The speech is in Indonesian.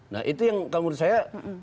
nah itu yang menurut saya